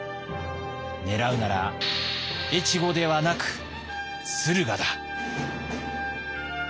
狙うなら越後ではなく駿河だ。